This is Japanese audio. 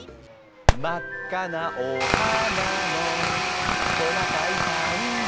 「まっかなおはなのトナカイさんは」